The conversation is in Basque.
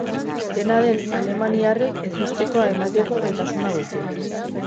Dena den, alemaniarrek ezustekoa emateko gaitasuna dute.